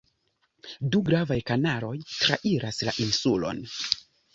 Du gravaj kanaloj trairas la insulon.